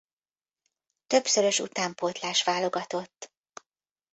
Többszörös utánpótlás-válogatott.